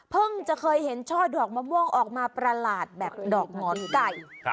จะเคยเห็นช่อดอกมะม่วงออกมาประหลาดแบบดอกหมอนไก่